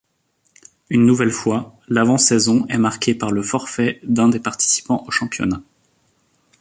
Une nouvelle fois, l'avant-saison est marquée par le forfait d'un des participants au championnat.